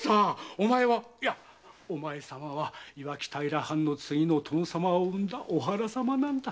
おまえはいやおまえ様は磐城平藩の次の殿様を産んだお腹様なんだ。